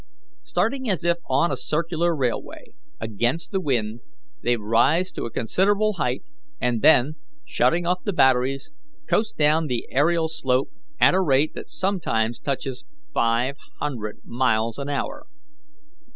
Starting as if on a circular railway, against the wind, they rise to a considerable height, and then, shutting off the batteries, coast down the aerial slope at a rate that sometimes touches five hundred miles an hour.